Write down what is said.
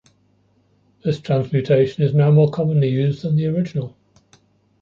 This transmutation is now more commonly used than the original.